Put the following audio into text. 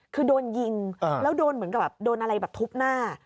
คือโดนยิงแล้วโดนเหมือนกับแบบโดนอะไรแบบทุบหน้า